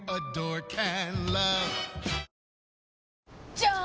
じゃーん！